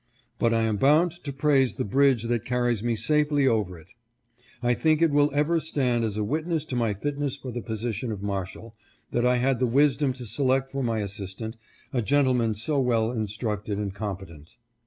But I am bound to praise the bridge that carries me safely over it. I think it will ever stand as a witness to my fit ness for the position of Marshal, that I had the wisdom to select for my assistant a gentleman so well instructed and competent.